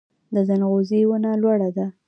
د ځنغوزي ونه لوړه ده